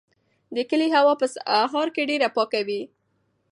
د کلي هوا په سهار کې ډېره پاکه وي.